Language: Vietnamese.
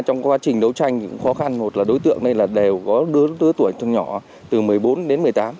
trong quá trình đấu tranh khó khăn một là đối tượng này là đều có đứa tuổi nhỏ từ một mươi bốn đến một mươi tám